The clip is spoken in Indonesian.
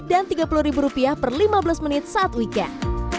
dan tiga puluh rupiah per lima belas menit saat weekend